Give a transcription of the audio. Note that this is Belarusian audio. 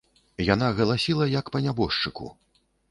Яна галасіла, як па нябожчыку.